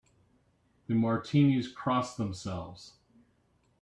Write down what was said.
The Martinis cross themselves.